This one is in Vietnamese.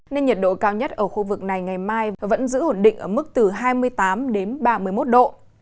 nên nhiệt độ cao nhất ở khu vực này ngày mai vẫn giữ ổn định ở mức từ hai mươi tám đến ba mươi một độ